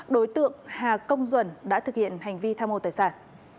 đối tượng hà công duẩn đã thực hiện hành vi tham mô tài sản